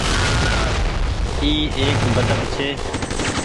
اي ايڪ بدڪ ڇي۔